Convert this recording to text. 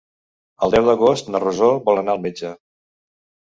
El deu d'agost na Rosó vol anar al metge.